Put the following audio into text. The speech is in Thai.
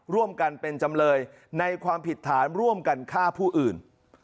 ร่วมกันเป็นจำเลยในความผิดฐานร่วมกันฆ่าผู้อื่น